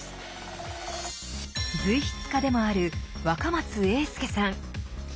随筆家でもある若松英輔さん。